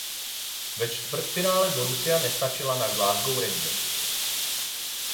Ve čtvrtfinále Borussia nestačila na Glasgow Rangers.